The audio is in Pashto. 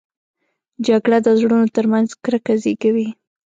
جګړه د زړونو تر منځ کرکه زېږوي